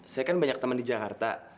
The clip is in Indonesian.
saya kan banyak teman di jakarta